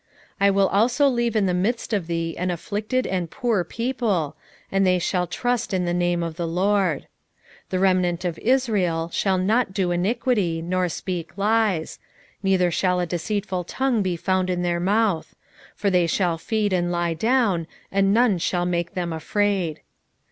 3:12 I will also leave in the midst of thee an afflicted and poor people, and they shall trust in the name of the LORD. 3:13 The remnant of Israel shall not do iniquity, nor speak lies; neither shall a deceitful tongue be found in their mouth: for they shall feed and lie down, and none shall make them afraid.